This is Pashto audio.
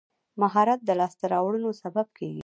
مهارت د لاسته راوړنو سبب کېږي.